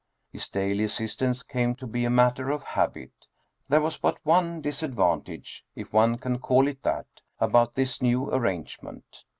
His daily assistance came to be a matter of habit. There was but one disadvantage, if one can call it that, about this new ar rangement.